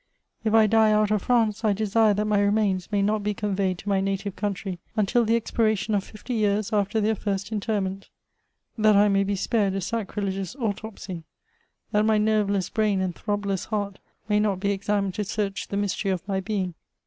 If I die out of France, I desire that my remains may not be conveyed to my native country until the expiration of fifty years after their first interment ;— that I may be spared a sacrilegious autopsy; that my nerveless brain and throbless heart may not be examined to search the mystery of my being.